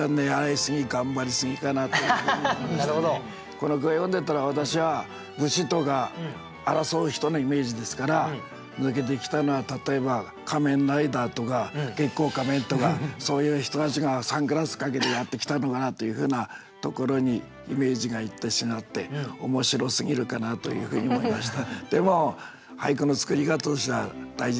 この句を読んでたら私は武士とか争う人のイメージですから抜けてきたのは例えば仮面ライダーとか月光仮面とかそういう人たちがサングラスかけてやってきたのかなというふうなところにイメージがいってしまって面白すぎるかなというふうに思いました。